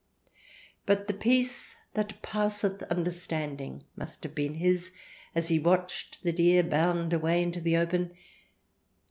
But the peace that passeth understanding must have been his as he watched the deer bound away into the open.